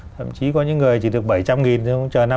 thậm chí có những người chỉ được bảy trăm linh nghìn